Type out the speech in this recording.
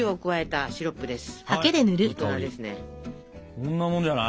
こんなもんじゃない？